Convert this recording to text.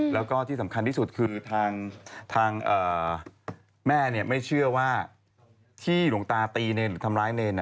แล้วก็ที่สำคัญที่สุดคือทางแม่ไม่เชื่อว่าที่หลวงตาตีเนรหรือทำร้ายเนร